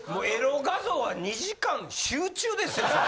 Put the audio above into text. エロ画像は、２時間集中ですよ。